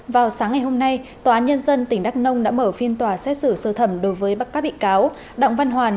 vào sáng ngày hôm nay tòa án nhân dân tỉnh đắk nông đã mở phiên tòa xét xử sơ thẩm đối với bác cá bị cáo đọng văn hoàn